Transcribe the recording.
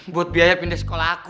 buat biaya pindah sekolah aku